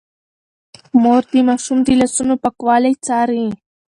مور د ماشوم د لاسونو پاکوالی څاري.